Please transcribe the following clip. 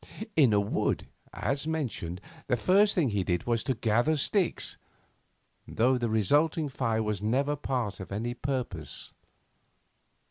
In a wood, as mentioned, the first thing he did was to gather sticks though the resulting fire was never part of any purpose.